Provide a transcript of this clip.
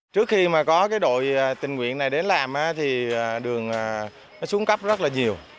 trước khi mà có cái đội tình nguyện này đến làm thì đường xuống cấp rất là nhiều